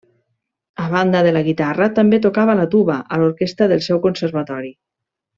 A banda de la guitarra també tocava la tuba a l'orquestra del seu conservatori.